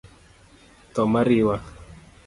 Tho ma riwa;